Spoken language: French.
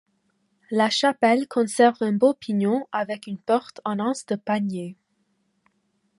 La chapelle conserve un beau pignon avec une porte en anse de panier.